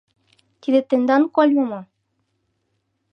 Тиде тендан кольмо мо?